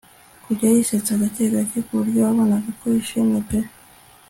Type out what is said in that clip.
kujya yisetsa gake gake kuburyo wabonaga ko yishimye pe